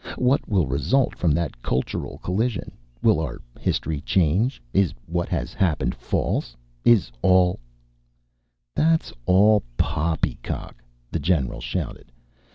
What will result from that cultural collision? Will our history change? Is what has happened false? Is all " "That's all poppycock!" the general shouted.